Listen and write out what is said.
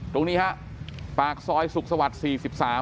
ตรงนี้ฮะปากซอยสุขสวรรค์๔๓